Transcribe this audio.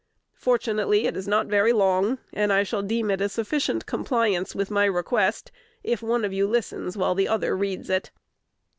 Fortunately, it is not very long, and I shall deem it a sufficient compliance with my request if one of you listens while the other reads it.